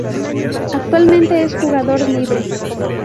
Actualmente es jugador libre.